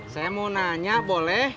saya mau nanya boleh